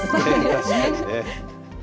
確かにね。